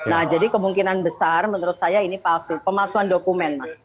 nah jadi kemungkinan besar menurut saya ini palsu pemalsuan dokumen mas